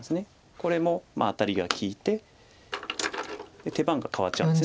これもアタリが利いて手番がかわっちゃうんです。